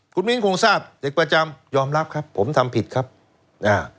คุณมิ้นคงทราบเด็กประจำยอมรับครับผมทำผิดครับนะฮะ